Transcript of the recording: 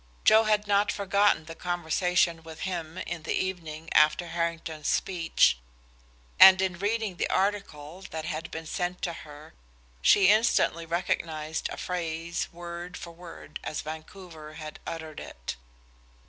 Joe had not forgotten the conversation with him in the evening after Harrington's speech, and in reading the article that had been sent to her she instantly recognized a phrase, word for word as Vancouver had uttered it.